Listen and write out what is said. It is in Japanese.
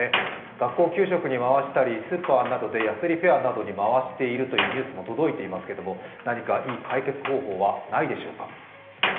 学校給食に回したり、スーパーなどで安売りフェアに回しているというニュースも届いていますけれども、何かいい解決方法はないでしょうか。